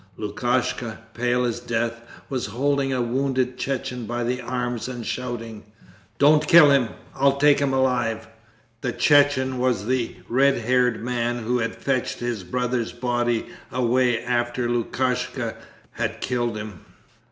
Lukashka, pale as death, was holding a wounded Chechen by the arms and shouting, 'Don't kill him. I'll take him alive!' The Chechen was the red haired man who had fetched his brother's body away after Lukashka had killed him.